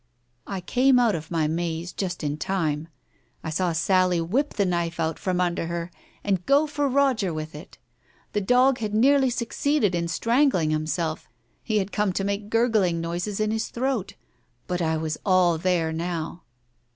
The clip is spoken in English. I came out of my maze just in time. I saw Sally whip the knife out from under her and go for Roger with it. The dog had nearly succeeded in strangling himself — he had come to make gurgling noises in his throat. ... But I was all there, now.